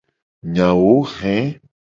Nyawo he.